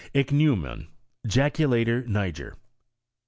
Ichneumon. Jaculator niger.